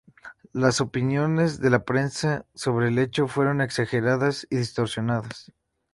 Las opiniones de la prensa sobre el hecho fueron exageradas y distorsionadas.